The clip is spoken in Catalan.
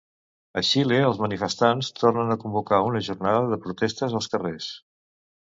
A Xile, els manifestants tornen a convocar una jornada de protestes als carrers.